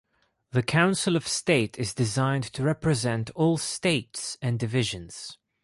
The Council of State is designed to represent all states and divisions.